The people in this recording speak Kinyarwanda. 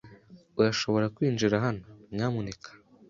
Urashobora kwinjira hano, nyamuneka.